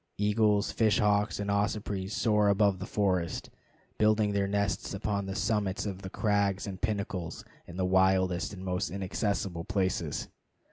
Eagles, fish hawks, and ospreys soar above the forest, building their nests upon the summits of the crags and pinnacles in the wildest and most inaccessible places.